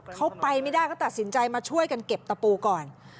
เขาไปไม่ได้เขาตัดสินใจมาช่วยกันเก็บตะปูก่อน